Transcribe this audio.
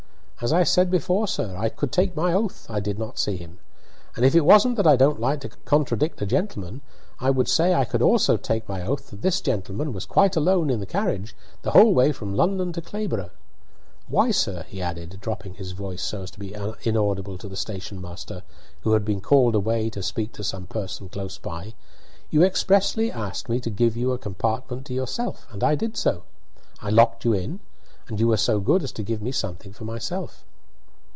"As I said before, sir, I could take my oath, I did not see him. And if it wasn't that I don't like to contradict a gentleman, I would say I could also take my oath that this gentlemen was quite alone in the carriage the whole way from London to Clayborough. Why, sir," he added dropping his voice so as to be inaudible to the station master, who had been called away to speak to some person close by, "you expressly asked me to give you a compartment to yourself, and I did so. I locked you in, and you were so good as to give me something for myself."